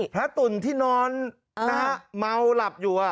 พระตุลที่นอนนะเมาหลับอยู่อ่ะ